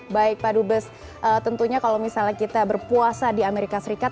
baik pak dubes tentunya kalau misalnya kita berpuasa di amerika serikat